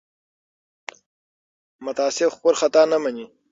متعصب خپل خطا نه مني